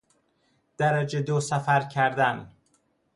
درجه دو سفر کردن